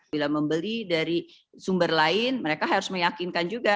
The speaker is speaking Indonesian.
bila membeli dari sumber lain mereka harus meyakinkan juga